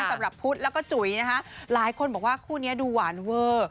สำหรับพุทธแล้วก็จุ๋ยนะคะหลายคนบอกว่าคู่นี้ดูหวานเวอร์